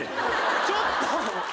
ちょっと。